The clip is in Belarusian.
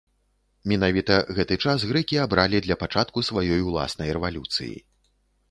Менавіта гэты час грэкі абралі для пачатку сваёй уласнай рэвалюцыі.